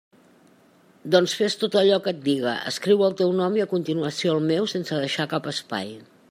Doncs fes tot allò que et diga: escriu el teu nom i a continuació el meu sense deixar cap espai.